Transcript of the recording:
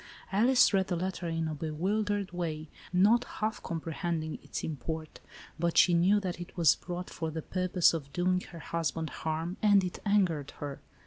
Alice read the letter in a bewildered way, not half comprehending its import, but she knew that it was brought for the purpose of doing her hus band harm, and it angered her.